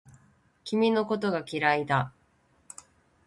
君のことが嫌いだ